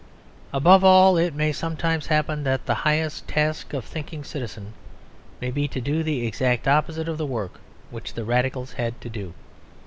Above all it may sometimes happen that the highest task of a thinking citizen may be to do the exact opposite of the work which the Radicals had to do.